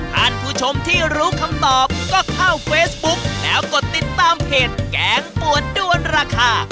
ท่านผู้ชมที่รู้คำตอบก็เข้าเฟซบุ๊กแล้วกดติดตามเพจแกงปวดด้วนราคา